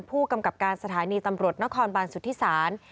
ผู้กำกับการสถานีตำรวจนครบานสุธิศาล